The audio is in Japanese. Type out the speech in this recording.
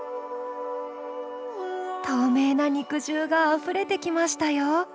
透明な肉汁があふれてきましたよ。